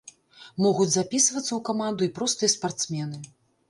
Могуць запісвацца ў каманду і простыя спартсмены.